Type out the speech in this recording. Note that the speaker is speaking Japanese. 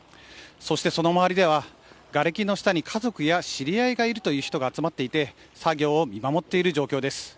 そしてその周りでは、がれきの下に家族や知り合いがいるという人が集まっていて、作業を見守っている状況です。